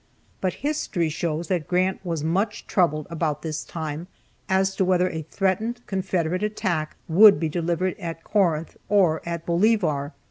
But history shows that Grant was much troubled about this time as to whether a threatened Confederate attack would be delivered at Corinth or at Bolivar.